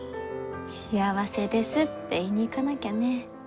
幸せですって言いに行かなきゃね。